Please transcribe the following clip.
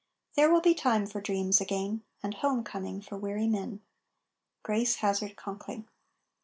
There will be time for dreams again, And home coming for weary men. GRACE HAZARD CONKLING.